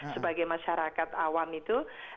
sebagai masyarakat awam itu